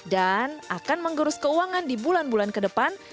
dan akan menggerus keuangan di bulan bulan ke depan